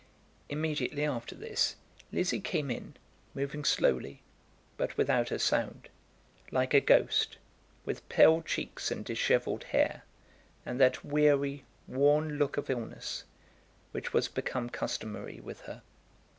Immediately after this, Lizzie came in, moving slowly, but without a sound, like a ghost, with pale cheeks and dishevelled hair, and that weary, worn look of illness which was become customary with her.